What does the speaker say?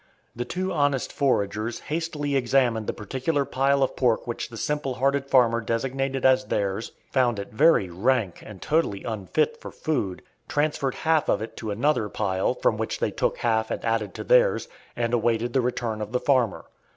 The two honest foragers hastily examined the particular pile of pork which the simple hearted farmer designated as theirs, found it very rank and totally unfit for food, transferred half of it to another pile, from which they took half and added to theirs, and awaited the return of the farmer.